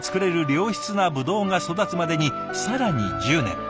良質なブドウが育つまでに更に１０年。